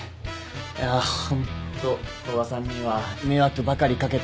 いやホント古賀さんには迷惑ばかり掛けて。